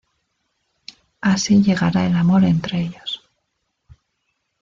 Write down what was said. Así llegará el amor entre ellos.